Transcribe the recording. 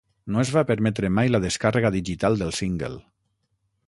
No es va permetre mai la descàrrega digital del single.